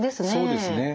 そうですね。